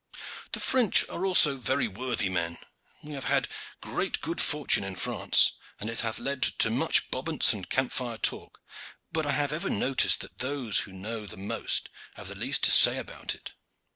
"The French are also very worthy men. We have had great good fortune in France, and it hath led to much bobance and camp fire talk, but I have ever noticed that those who know the most have the least to say about it.